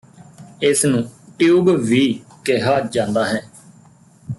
ਇਸਨੂੰ ਟਿਊਬ ਵੀ ਕਿਹਾ ਜਾਂਦਾ ਹੈ